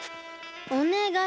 おねがい。